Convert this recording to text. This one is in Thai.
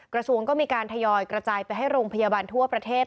กระทรวงก็มีการทยอยกระจายไปให้โรงพยาบาลทั่วประเทศ